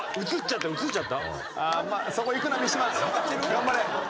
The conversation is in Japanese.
頑張れ！